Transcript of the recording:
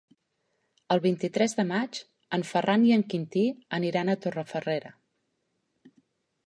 El vint-i-tres de maig en Ferran i en Quintí aniran a Torrefarrera.